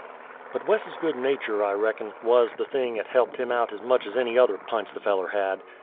But Wes's good nature, I reckon, was the thing 'at he'ped him out as much as any other p'ints the feller had.